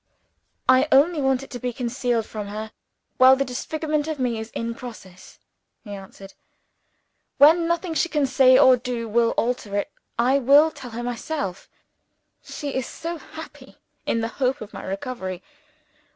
"I only want it to be concealed from her while the disfigurement of me is in progress," he answered. "When nothing she can say or do will alter it I will tell her myself. She is so happy in the hope of my recovery!